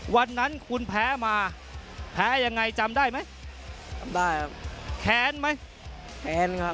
วันนั้นคุณแพ้มาแพ้ยังไงจำได้ไหมจำได้ครับแค้นไหมแค้นครับ